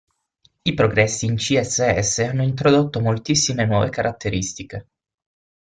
I progressi in CSS hanno introdotto moltissime nuove caratteristiche.